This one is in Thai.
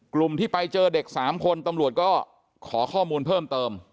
กลุ่มที่ไปเจอเด็ก๓คนตำรวจก็ขอข้อมูลเพิ่มเติม